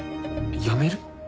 やめる？